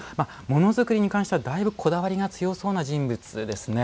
ものづくりに関してはだいぶ、こだわりが強そうな人物ですね。